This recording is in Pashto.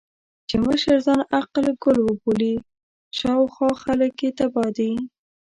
چې مشر ځان عقل کُل وبولي، شا او خوا خلګ يې تباه دي.